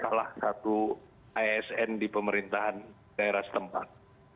salah satu asn di pemerintahan daerah setempat